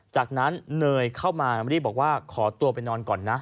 จากนั้นเนยเข้ามารีบบอกว่าขอตัวไปนอนก่อนนะ